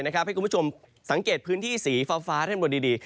ให้คุณผู้ชมสังเกตพื้นที่สีฟ้าท่านบนดี